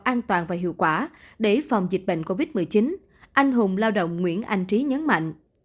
an toàn và hiệu quả để phòng dịch bệnh covid một mươi chín anh hùng lao động nguyễn anh trí nhấn mạnh